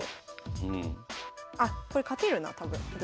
あっこれ勝てるな多分私。